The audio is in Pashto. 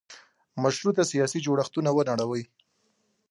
مشروطه سیاسي جوړښتونه ونړوي.